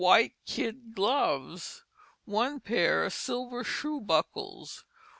White Kid Gloves. 1 p. Silver Shoe Buckles.